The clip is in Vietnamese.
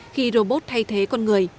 khi robot thay thế con người